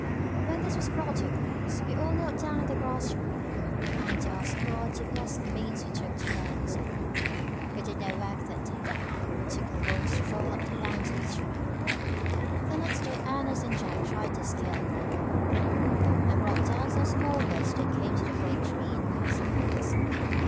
When this was brought to a close, we all knelt down on the grass to pray, and to ask God to bless the means we took to learn His will. We did no work that day, but took a long stroll up the banks of the stream. The next day Ernest and Jack tried their skill with the bow, and brought down some small birds that came to the great tree in quest of figs.